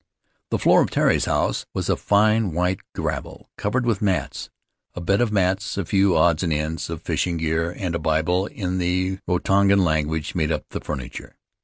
"The floor of Tari's house was of fine white gravel, covered with mats. A bed of mats, a few odds and ends of fishing gear, and a Bible in the Rarotongan language made up the furniture.